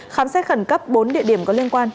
khám xét khẩn cấp bốn địa điểm có liên quan